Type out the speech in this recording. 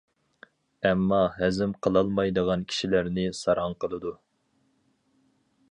ئەمما ھەزىم قىلالمايدىغان كىشىلەرنى ساراڭ قىلىدۇ.